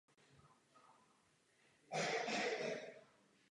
Interiér lodi je zaklenut valenou klenbou s lunetami.